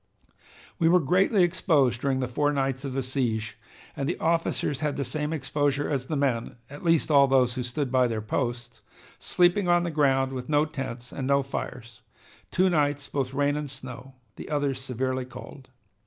"We were greatly exposed during the four nights of the siege, and the officers had the same exposure as the men, at least all those who stood by their posts, sleeping on the ground with no tents and no fires, two nights both rain and snow, the others severely cold.